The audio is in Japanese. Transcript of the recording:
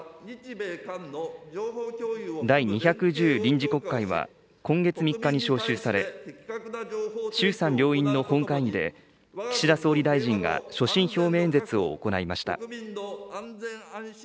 第２１０臨時国会は、今月３日に召集され、衆参両院の本会議で、岸田総理大臣が所信表明演説を行いました。